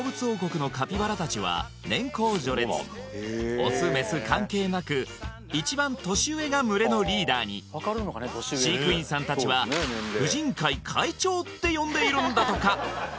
オスメス関係なく一番年上が群れのリーダーに飼育員さんたちはって呼んでいるんだとか